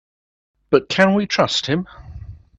But can we trust him?